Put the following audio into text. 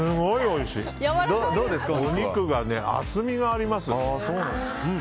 お肉が厚みがあります。